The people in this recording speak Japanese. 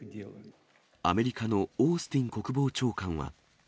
アメリカのオースティン国防長官は。